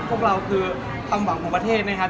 พวกเราคือความหวังของประเทศนะครับ